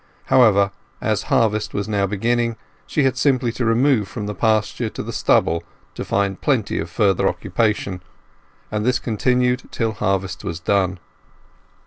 However, as harvest was now beginning, she had simply to remove from the pasture to the stubble to find plenty of further occupation, and this continued till harvest was done.